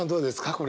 これ。